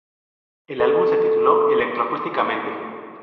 El álbum se tituló "Electro acústica mente".